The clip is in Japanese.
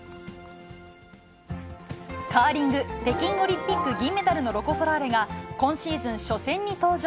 カーリング北京オリンピック銀メダルのロコ・ソラーレが、今シーズン初戦に登場。